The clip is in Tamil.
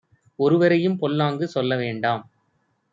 ஒருவரையும் பொல்லாங்கு சொல்ல வேண்டாம்